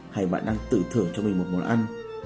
hay bạn đang tự thưởng cho mình một món ăn